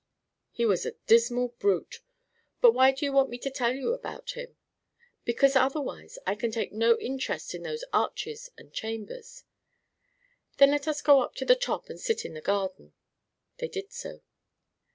"He was a dismal brute. But why do you want me to tell you about him?" "Because otherwise I can take no interest in those arches and chambers." "Then let us go up to the top and sit in the garden." They did so.